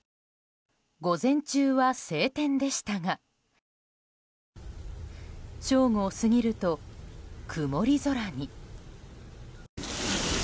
午前中は晴天でしたが正午を過ぎると曇り空に。